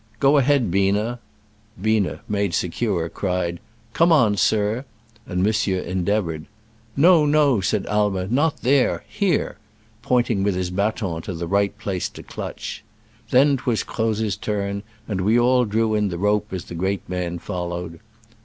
"Go ahead, Biener." Biener, made se cure, cried, "Come on, sir," and mon sieur endeavored. "No, no, said Ai mer, "not there — here T pointing with his baton to the right place to clutch. Then 'twas Croz's turn, and we all drew in the rope as the great man followed.